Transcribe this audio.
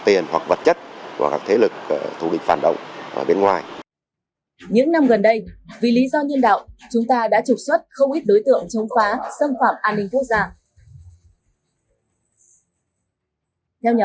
theo nhà bác các đối tượng càng chống phá thì các thế lực thủ địch phản động và một số tổ chức chống phá